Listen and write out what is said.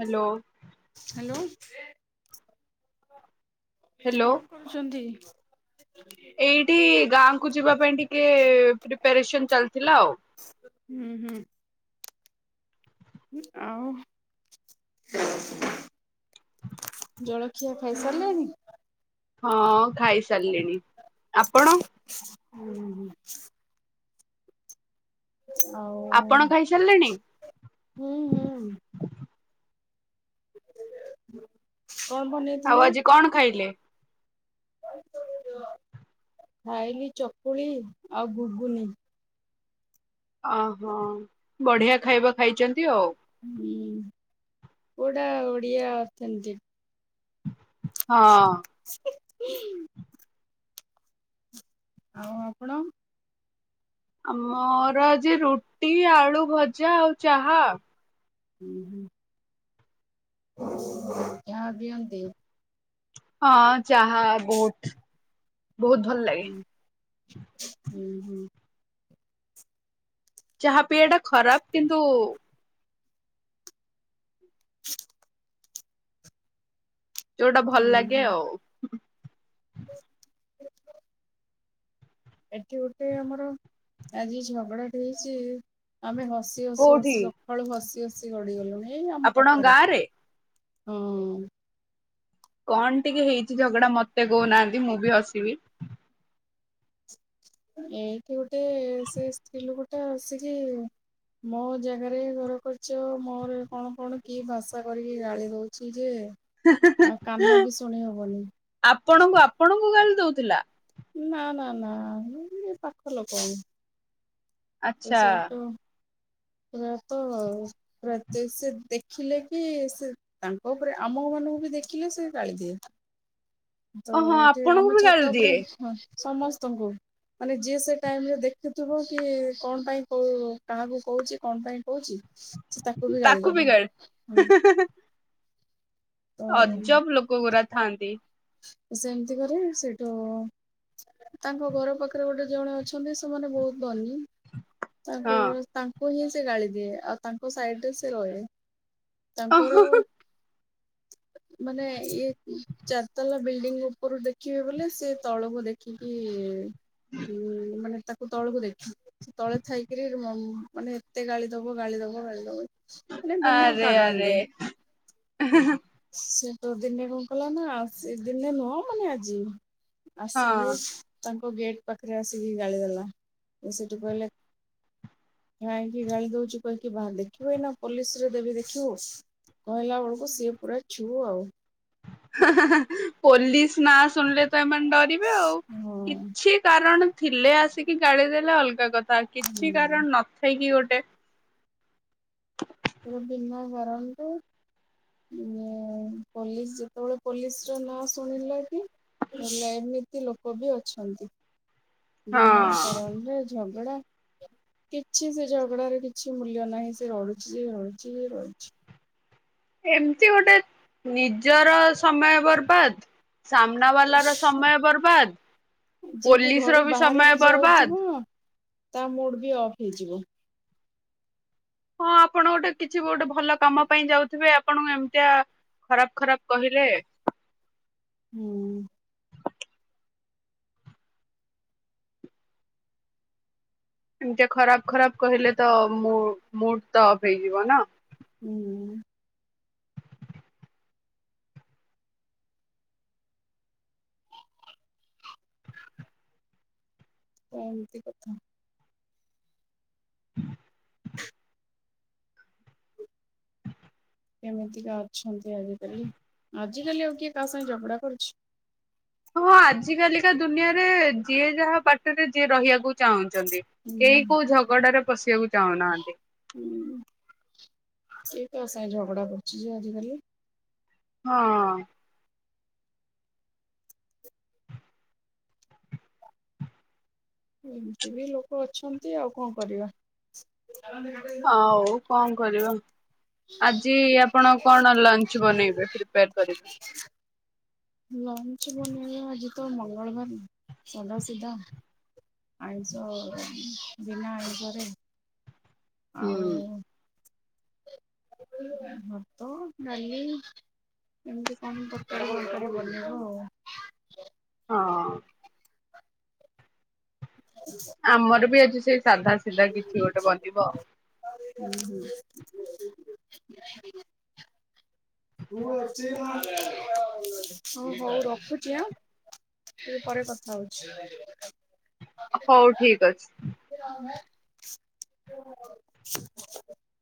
Hello hello [inaudible] hello କଣ କରୁଛନ୍ତି? ଏଇଠି ଗାଁ କୁ ଯିବା ପାଇଁ ଟିକେ ପ୍ରିପାରେସନ ଚାଲିଥିଲା ଆଉ। ହୁଁ ହୁଁ ଆଉ। ଜଳଖିଆ ଖାଇସାରିଲେଣିି ହଁ ଖାଇସାରିଲିଣି ଆପଣ ହୁଁ ହୁଁ ଆଉ ଆପଣ ଖାଇସାରିଲେଣି? ହୁଁ ହୁଁ [unintelligible] ବନେଇଥିଲେ? ଆଉ ଆଜି କଣ ଖାଇଲେ ଖାଇଲି ଚକୁଳି ଆଉ ବୁଗୁନି ଓହୋ ବଢିଆ ଖାଇବା ଖାଇଛନ୍ତି ଆଉ। ହୁଁ କଡା ଓଡ଼ିଆ ଅଛନ୍ତିଛନ୍ତି। ହଁ ହଁ ଆଉ ଆପଣ ଆମର ଆଜି ରୁଟି ଆଳୁ ଭଜା ଆଉ ଚାହା ହୁଁ ହୁଁ ଯାହା ବିିଅନ୍ତି ହଁ ଚାାହା ବହୁତ ବହୁତ ଭଲ ଲାଗେ ହୁଁ ହୁଁ ହୁଁ ଚାହା ପିଇବା ଟା ଖରାପ କିନ୍ତୁ [inaudible] ଯୋଉଟା ଭଲ ହୁଁ ଲାଗେ ହୁଁ। ଆଉ। ଏଠି ଗୋଟେ ଆମର ଆଜି ଝଗଡାଟି ହେଇଛି ଆମେ ହସି ହସି ହ କୋଉଠି ସକାଳୁ ହସି ଆସି ଗଡ଼ିିଗଲୁି ଏଇ ଆମ ଆପଣଙ୍କ ପାଖରେ ଗାଁ ରେ ହୁଁ କଣ ଟିକେ ହେଇଛି ଝଗଡା ମତେ କହୁନାହାନ୍ତି ମୁଁ ବି ହସିବି ଏଇଠି ଗୋଟେ ସେ ସ୍ତ୍ରୀ ଲୋକୋଟା ଆସିକି ମୋ ଜାଗାରେ ଘର କରିଛ ମୋର କଣ କଣ କି ଭାଷା କରିକି ଗାଳି ଦଉଛି ଯେ ଆଉ କାନ ବି ଶୁଣି ହବନି ଆପଣଙ୍କୁ ଆପଣଙ୍କୁ ଗାଲି ଦଉଥିଲା। ନା ନା ନା ମୁ ପାଖ ଲୋକ ସେ ଆଚ୍ଛା। ସେ ତୁ ପ୍ରାୟତ ପ୍ରତ ସେ ଦେଖିଲେ କି ସେ ତାଙ୍କ ଉପରେ ଆମ ମାନଙ୍କୁ ବି ଦେଖିଲେ ସେ କାଳି ଦିଅ ତ ଓହୋ ଏଠି ଆପଣଙ୍କୁ ଆମ ବି ଗାଳି ଛାତ ଉପରେ ଦିଏ ହ ସମସ୍ତଙ୍କୁ ମାନେ ଯିଏ ସେ ଟାଇମ ରେ ଦେଖୁଥିବ କି କଣ ପାଇଁ କ କାହାକୁ କହୁଛି କଣ ପାଇଁ କହୁଛି। ସେ ତାକୁ ବି ଜାଳିଦବ ହୁଁ ଅଜବ ଲୋକ ପୁରା ଥାଆନ୍ତି। ସେମିତି କରେ ସେଇଟୁ ତାଙ୍କ ଘର ପାଖରେ ଗୋଟେ ଜଣେ ଅଛନ୍ତି ସେମାନେ ବହୁତ ଧନୀ। ତାପ ହଁ ତାଙ୍କୁ କୁ ହିଁ ସେ ଗାଳି ଦିଏ ଆଉ ତାଙ୍କ ସାଇଡ ରେ ସେ ରହେ। ତାଙ୍କର ଓହୋ ମାନେ ଇଏ ଚାରତାଲା ବିଲ୍ଡିଙ୍ଗ ଉପରୁ ଦେଖିବେ ବୋଲେ ସେ ତଳକୁ ଦେଖିକି ହୁଁ ମାନେ ତଳକୁ ଦେଖି ତଳେ ଥାଇକିରି ମାନେ ଏତେ ଗାଳି ଦବ ଗାଳି ଦବ ଗାଳି ଦବ ମାନେ ବିନା ଆରେ ଆରେ କାରଣରେ। ତୋ ଦିନେ କଣ କଲା ନା ଆସି ଦିନେ ନୁହ ମାନେ ଆଜି ହଁ। ଆସିକି ତା ଗେଟ୍ ପାଖରେ ଆସିକି ଗାଳି ଦେଲା ସେଠୁ କହିଲେ। କାଇକି ଗାଳି ଦଉଚୁ କହିକି ବା ଦେଖିବୁନା ପୋଲିସ ରେ ଦେବି ଦେଖିବୁ କହିଲା ବେଳକୁ ସିଏ ପୁରା ଛୁ ଆଉ। ପୋଲିସ ନା ଶୁଣିଲେ ତ ଏମାନେ ଡରିବେ ଆଉ ହଁ। କିଛି କାରଣ ଥିଲେ ଆସିକି ଗାଳି ଦେଲେ ଅଲଗା କଥା ତା କିଛି କାରଣ ନଥାଇକି ଗୋଟେ [inaudible] [inaudible] ଗଟ ବିନା କାରଣରେ ପୋଲିସ ଯେତେବେଳେ ପୋଲିସ ର ନାଁ ଶୁଣିଲା କି ଏମିତି ଲୋକ ବି ଅଛନ୍ତି। ହଁ ବିନ୍ମା ତାରର ଝଗଡ଼ା କିଛି ସେ ଝଗଡାରେ କିଛି ମୂଲ୍ୟ ନାହିଁ ସେ ରଢୁଛି ଯ ରଢୁଛି ଯେ ରହିଛି ଏମିତି ଗୋଟେ ନିଜର ସମୟ ବର୍ବାଦ ସାମ୍ନା ବାଲା ର ସମୟ ବର୍ବାଦ ଯିଏ ପୋଲିସ ଘରୁ ର ବି ସମୟ ବାହାରିକି ଯାଉଥିବ ବର୍ବାଦ ତା ମୋଡ ବି ଅଫ୍ ହେଇଯିବ। ହଁ ଆପଣ ଗୋଟେ କିଛି ଗୋଟେ ଭଲ କାମ ପାଇଁ ଯାଉଥୁବେ ଆପଣଙ୍କୁ ଏମିତଆ ଖରାପ ଖରାପ କହିଲେ ହୁଁ। ଏମତିଆ ଖରାପ ଖରାପ କହିଲେ ତ ମୁ ମୁଡ଼୍ ତ ଅଫ୍ ହେଇଯିବ ନାଁ। ହୁଁ। ଏମତି କଥା। କେମିତିକା ଅଛନ୍ତି ଆଜିକାଲି ଆଜିକାଲି ଆଉ କିଏ କାହା ସାଙ୍ଗେ ଝଗୁଡା କରୁଛି? ହଁ ଆଜ କାଲିକା ଦୁନିଆରେ ଯିଏ ଯାହା ବାଟରେ ଯିଏ ରହିବାକୁ ଚାହୁଁ ଚନ୍ତି ହୁଁ କେହି କୋଉ ଝଗଡାରେ ପଶିଆକୁ ଚାହୁଁ ନାହାନ୍ତି। ସିଏ ତୋ ସାଙ୍ଗେ ଝଗଡ଼ା କରୁଚି ଯେ ଆଜିକାଲି। ହଁ। ଏମତି ବି ଲୋକ ଅଛନ୍ତି ଆଉ କଁ କରିବା? ହଉ କଣ କରିବ ଆଜି ଆପଣ କଣ ଲଞ୍ଚ ବନେଇବେ ପ୍ରିପାର କରିବେ? ଲଞ୍ଚ ବନେଇବା ଆଜି ତ ମଙ୍ଗଳବାର ସାଧା ସିଧା। ଆଇଂଶ ବିନା ଆଇଂଶରେ। ହୁଁ। ଭାତ ଡାଲି ଏମିତି କଣ ତରକାରୀ ଆଉ ଟିକେ ବନେଇବୁ ଆଉ। ହଁ। ଆମର ବି ଆଜି ସେଇ ସାଧା ସିଧା କିଛି ଗୋଟେ ବନିବ। ହଉ ହୋଉ ରଖୁଚି ଆଁ ଟିକେ ପରେ କଥା ହୋଉଚି। ହଞଉ ଠିକ୍ ଅଛି। [unintelligible]